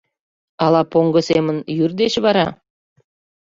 Ала поҥго семын йӱр деч вара?